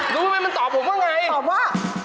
รู้ไหมมันตอบผมกันไงตอบว่า